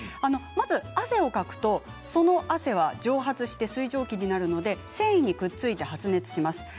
まず汗をかくとその汗は蒸発して水蒸気になるので繊維にくっついて発熱します。